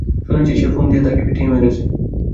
শুনেছি সে ফোন দিয়ে তাকে পিটিয়ে মেরেছে।